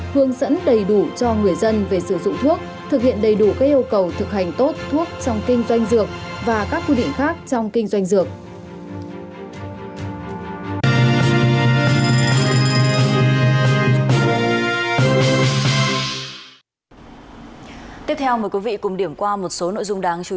hướng dẫn đầy đủ cho người dân về sử dụng thuốc thực hiện đầy đủ các yêu cầu thực hành tốt thuốc trong kinh doanh dược và các quy định khác trong kinh doanh dược